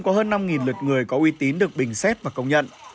có hơn năm lượt người có uy tín được bình xét và công nhận